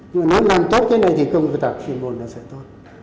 nếu làm tốt cái này thì công tác xây dựng đảng sẽ tốt